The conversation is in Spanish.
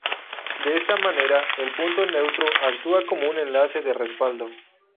De esta manera, el punto neutro actúa como un enlace de respaldo.